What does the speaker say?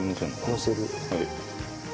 のせる。